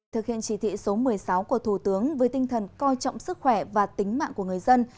thực hiện chỉ thị số một mươi sáu của thủ tướng với tinh thần coi trọng sức khỏe và tính mạng của người dân